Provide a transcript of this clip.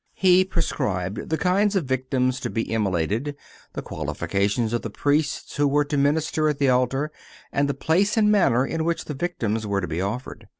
He prescribed the kind of victims to be immolated, the qualifications of the Priests who were to minister at the altar, and the place and manner in which the victims were to be offered.